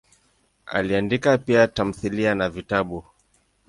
Aliandika pia tamthilia na vitabu.